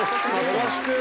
よろしく！